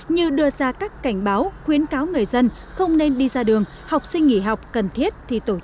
như đưa ra các cảnh báo khuyến cáo người dân không nên đi ra đường học sinh nghỉ học cần thiết thì tổ chức